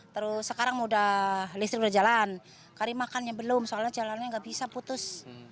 terus sekarang listrik udah jalan kali makannya belum soalnya jalannya gak bisa putus